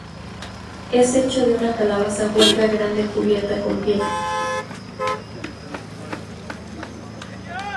Es hecho de una calabaza hueca grande cubierta con piel.